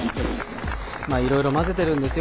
いろいろ交ぜているんですよ